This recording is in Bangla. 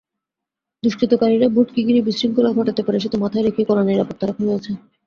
দুষ্কৃতকারীরা ভোটকে ঘিরে বিশৃঙ্খলা ঘটাতে পারে—সেটা মাথায় রেখেই কড়া নিরাপত্তা রাখা হয়েছে।